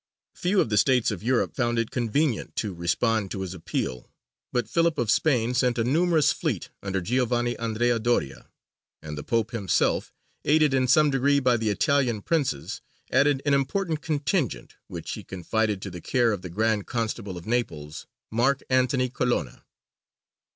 Few of the states of Europe found it convenient to respond to his appeal, but Philip of Spain sent a numerous fleet under Giovanni Andrea Doria, and the Pope himself, aided in some degree by the Italian princes, added an important contingent, which he confided to the care of the Grand Constable of Naples, Mark Antony Colonna.